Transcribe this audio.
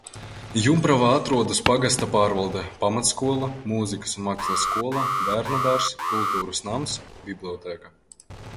Jumpravā atrodas pagasta pārvalde, pamatskola, mūzikas un mākslas skola, bērnudārzs, kultūras nams, bibliotēka.